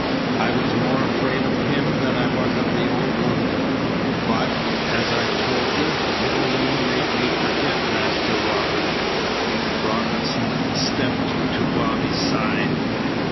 I was more afraid of him than I was of the old room, but, as I've told you, the old room made me forget Master Robert." Robinson stepped to Bobby's side.